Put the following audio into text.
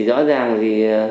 rõ ràng thì